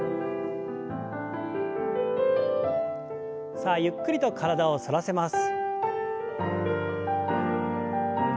さあゆっくりと体を反らせます。